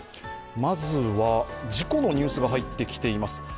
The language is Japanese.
まずは、事故のニュースが入ってきています。